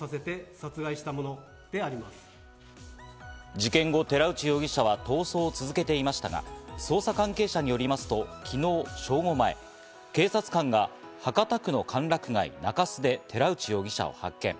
事件後、寺内容疑者は逃走を続けていましたが、捜査関係者によりますと、昨日正午前、警察官が博多区の歓楽街・中洲で寺内容疑者を発見。